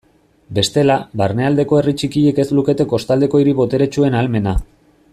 Bestela, barnealdeko herri txikiek ez lukete kostaldeko hiri boteretsuen ahalmena.